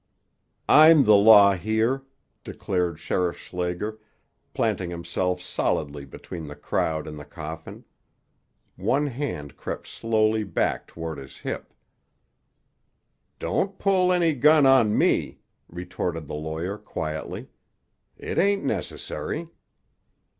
"I'm the law here," declared Sheriff Schlager, planting himself solidly between the crowd and the coffin. One hand crept slowly back toward his hip. "Don't pull any gun on me," retorted the lawyer quietly. "It ain't necessary."